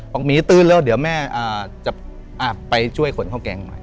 บอกหมีตื่นแล้วเดี๋ยวแม่จะไปช่วยคนเข้าแกงหน่อย